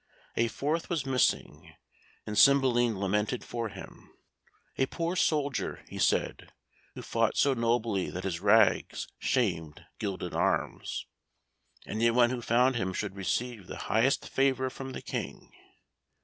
A fourth was missing, and Cymbeline lamented for him a poor soldier, he said, who fought so nobly that his rags shamed gilded arms. Anyone who found him should receive the highest favour from the King.